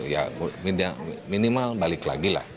ya minimal balik lagi lah